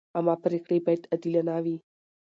عامه پریکړې باید عادلانه وي.